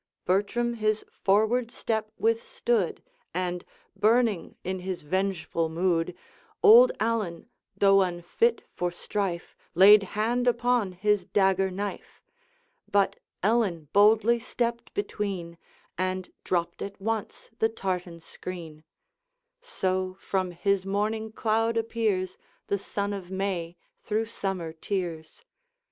Bertram his forward step withstood; And, burning in his vengeful mood, Old Allan, though unfit for strife, Laid hand upon his dagger knife; But Ellen boldly stepped between, And dropped at once the tartan screen: So, from his morning cloud, appears The sun of May through summer tears.